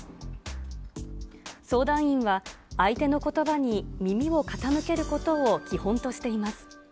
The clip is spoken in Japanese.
相談員は相手のことばに耳を傾けることを基本としています。